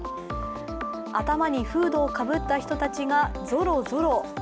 頭にフードをかぶった人たちがぞろぞろ。